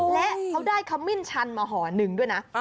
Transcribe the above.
และเขาได้ขมิ้นชันมาห่อหนึ่งด้วยนะ